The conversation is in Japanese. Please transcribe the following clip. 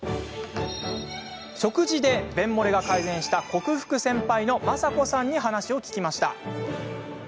食事で便もれが改善した克服センパイのまさこさんにお話を聞きました。